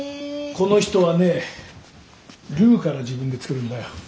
この人はねルーから自分で作るんだよ。